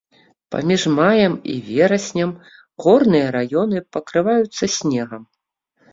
Паміж маем і вераснем горныя раёны пакрываюцца снегам.